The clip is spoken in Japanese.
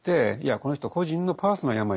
この人個人の「パースナルな病い」